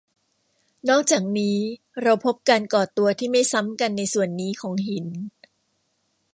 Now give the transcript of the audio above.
นอกจากนี้เราพบการก่อตัวที่ไม่ซ้ำกันในส่วนนี้ของหิน